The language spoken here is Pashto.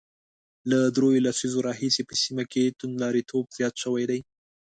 له درېو لسیزو راهیسې په سیمه کې توندلاریتوب زیات شوی دی